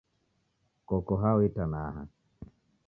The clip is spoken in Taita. Koko hao itanaha?